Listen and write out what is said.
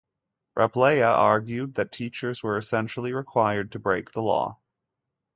Rappleyea argued that teachers were essentially required to break the law.